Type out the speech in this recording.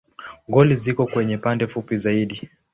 Goli ziko kwenye pande fupi zaidi.